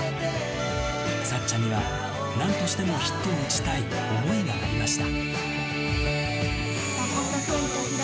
さっちゃんにはなんとしてもヒットを打ちたい想いがありました。